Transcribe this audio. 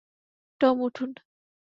Tom, উঠুন!